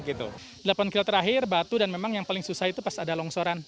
delapan kilo terakhir batu dan memang yang paling susah itu pas ada longsoran